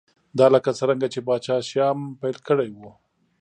دا لکه څرنګه چې پاچا شیام پیل کړی و